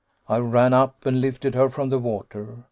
"I ran up and lifted her from the water.